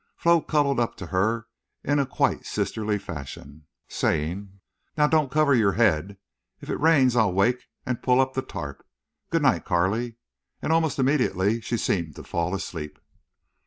Flo cuddled up to her in quite sisterly fashion, saying: "Now don't cover your head. If it rains I'll wake and pull up the tarp. Good night, Carley." And almost immediately she seemed to fall asleep.